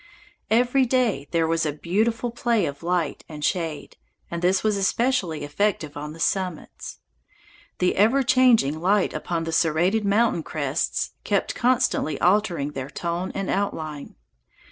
Every day there was a delightful play of light and shade, and this was especially effective on the summits; the ever changing light upon the serrated mountain crests kept constantly altering their tone and outline.